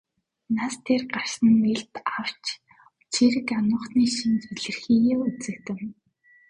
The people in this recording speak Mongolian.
Нас дээр гарсан нь илт авч чийрэг ануухны шинж илэрхийеэ үзэгдэнэ.